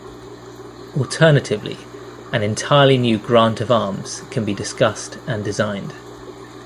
Alternatively, an entirely new grant of arms can be discussed and designed.